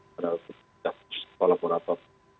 pada waktu di sekolah kolaborator